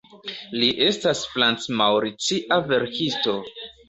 Li estas franc-maŭricia verkisto.